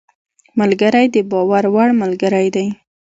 ملګری د باور وړ ملګری دی